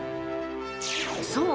そう！